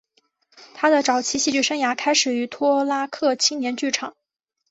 他的早期戏剧生涯开始于托拉克青年剧场。